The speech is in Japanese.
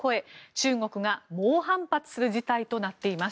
中国が猛反発する事態となっています。